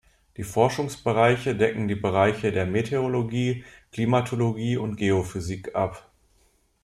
Die Forschungsbereiche decken die Bereiche der Meteorologie, Klimatologie und Geophysik ab.